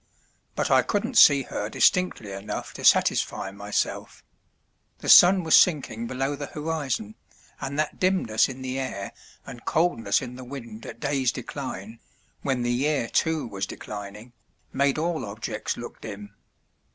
But I couldn't see her distinctly enough to satisfy myself: the sun was sinking below the horizon, and that dimness in the air and coldness in the wind at day's decline, when the year too was declining, made all objects look dim.